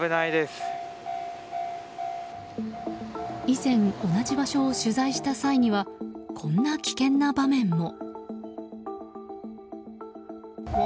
以前、同じ場所を取材した際にはこんな危険な場面も。